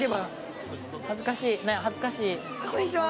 こんにちは！